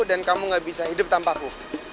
dan kamu gak bisa hidup tanpa aku